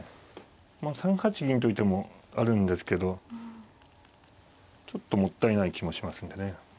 まあ３八銀という手もあるんですけどちょっともったいない気もしますんでね。